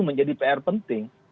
menjadi pr penting